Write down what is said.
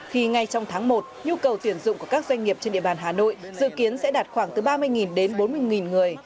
khi ngay trong tháng một nhu cầu tuyển dụng của các doanh nghiệp trên địa bàn hà nội dự kiến sẽ đạt khoảng từ ba mươi đến bốn mươi người